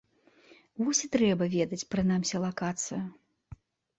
Вось і трэба ведаць прынамсі лакацыю.